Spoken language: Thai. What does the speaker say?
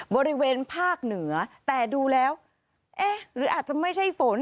บริเวณภาคเหนือแต่ดูแล้วเอ๊ะหรืออาจจะไม่ใช่ฝน